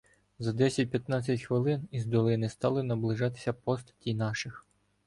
За десять-п'ятнадцять хвилин із долини стали наближатися постаті наших.